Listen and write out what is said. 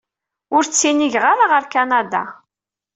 Ur ttinigeɣ ara ɣer Kanada.